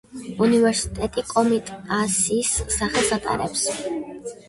უნივერსიტეტი კომიტასის სახელს ატარებს.